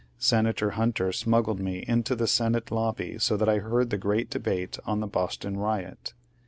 ' Senator Hunter smuggled me into the Senate lobby so that I heard the great debate on the Boston riot."